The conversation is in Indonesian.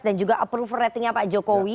dan juga approval ratingnya pak jokowi